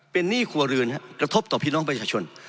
เป็นหนี้ครัวเรือนครับกระทบต่อพี่น้องประชาชน